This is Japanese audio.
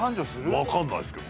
分かんないですけどね。